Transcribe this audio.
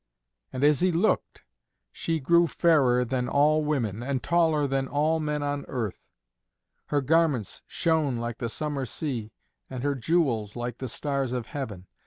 And as he looked, she grew fairer than all women and taller than all men on earth. Her garments shone like the summer sea, and her jewels like the stars of heaven.